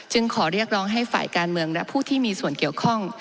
ขอเรียกร้องให้ฝ่ายการเมืองและผู้ที่มีส่วนเกี่ยวข้อง